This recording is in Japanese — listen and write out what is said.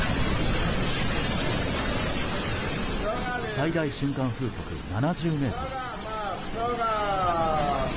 最大瞬間風速７０メートル。